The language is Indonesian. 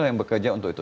yang bekerja untuk itu